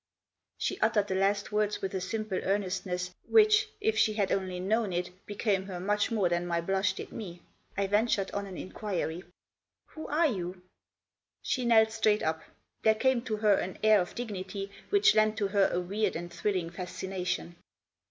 She uttered the last words with a simple earnestness which, if she had only known it, became her much more than my blush did me. I ventured on an inquiry, "Who are you?" She knelt straight up. There came to her an air of dignity which lent to her a weird and thrilling fascination.